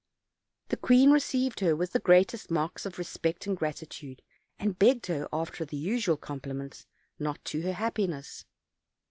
The queen received her with the greatest marks of respect and gratitude, and begged her, after the usual compliments, not to OLD, OLD FAIRY TALES. 253 her happiness.